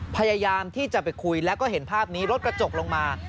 พยายามที่จะไปคุยแล้วก็เห็นภาพนี้รถกระจกลงมา